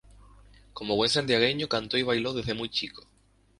Como buen santiagueño cantó y bailó desde muy chico.